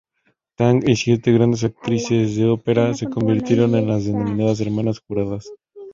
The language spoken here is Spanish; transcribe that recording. Tang y siete grandes actrices de ópera, se convirtieron en las denominadas hermanas juradas.